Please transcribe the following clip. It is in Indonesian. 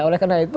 oleh karena itu